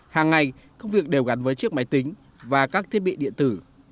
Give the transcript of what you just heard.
hàng ngày công việc đều gắn với chiếc máy tính và các thiết bị điện tử